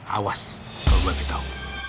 awas kalau robby tau